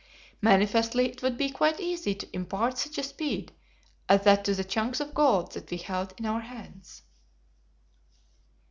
Manifestly it would be quite easy to impart such a speed as that to the chunks of gold that we held in our hands.